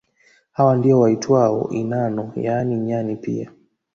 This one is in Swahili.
Hawa ndio waitwao inano yaani nyani pia